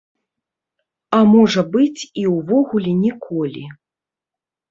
А можа быць, і ўвогуле ніколі.